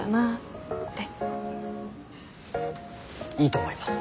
いいと思います。